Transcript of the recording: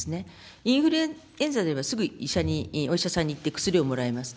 インフルエンザではすぐ医者に、お医者さんに行って、薬をもらいますね。